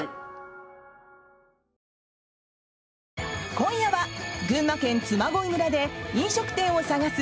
今夜は、群馬県嬬恋村で飲食店を探す